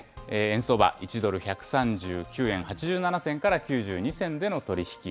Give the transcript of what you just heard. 円相場、１ドル１３９円８７銭から９２銭での取り引き。